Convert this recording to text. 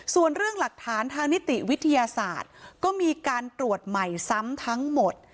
ส่วนเรื่องหลักฐานทางนิติวิทยาศาสตร์ก็มีการตรวจใหม่ซ้ำทั้งหมด